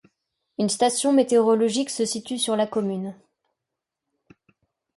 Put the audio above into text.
Une station météorologique se situe sur la commune.